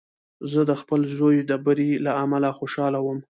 زه د خپل زوی د بري له امله خوشحاله وم.